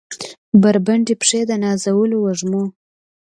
بربنډې پښې د نازولو وږمو